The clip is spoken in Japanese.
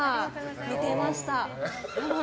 見てました。